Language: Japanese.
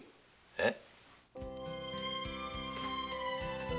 えっ？